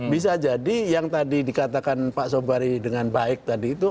bisa jadi yang tadi dikatakan pak sobari dengan baik tadi itu